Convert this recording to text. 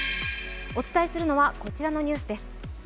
お伝えするのは、こちらのニュースです。